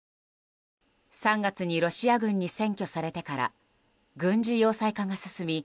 ３月にロシア軍に占拠されてから軍事要塞化が進み